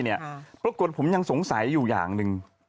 บริกษารบันทนี้ผมยังสงสัยอยู่อย่างหนึ่ง